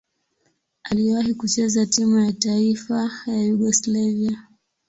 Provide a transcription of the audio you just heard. Aliwahi kucheza timu ya taifa ya Yugoslavia.